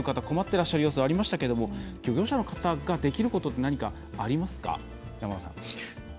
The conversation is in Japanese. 困ってらっしゃる様子ありましたけど、漁業者の方ができることって何かありますか。